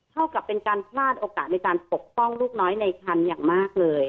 เท่ากับเป็นการพลาดโอกาสในการปกป้องลูกน้อยในคันอย่างมากเลย